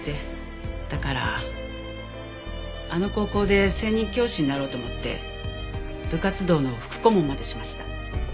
だからあの高校で専任教師になろうと思って部活動の副顧問までしました。